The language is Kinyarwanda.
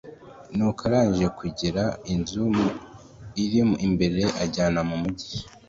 nuko arangije kugera inzu iri imbere anjyana mu mujyi